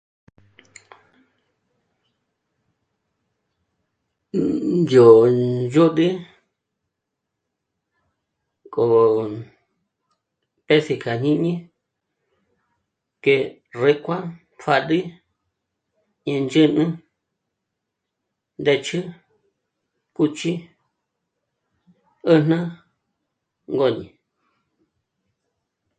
Ndzhô... ndzhôd'ü k'o 'ë̀s'í kja jñíni que rékua, pjâd'i, índzhǚnü, ndë̂ch'ü, kùch'i, 'ä̀jnä, ngôñi